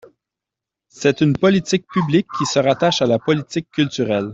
C’est une politique publique, qui se rattache à la politique culturelle.